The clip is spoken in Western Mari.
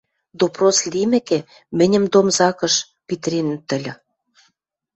Допрос лимӹкӹ, мӹньӹм домзакыш питӹренӹт ыльы.